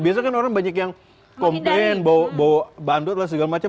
biasanya kan orang banyak yang komplain bawa bandur dan segala macam